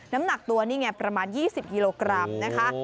น้ำหนักตัวนี่ไงประมาณ๒๐กิโลกรัมนะคะ